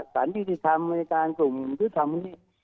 ศาลยุทธิธรรมศาลอเมริกากลุ่มศุษธรรมนี้